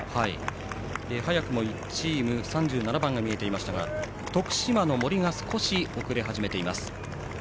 早くも１チーム３７番が見えていましたが徳島の森が少し遅れ始めています。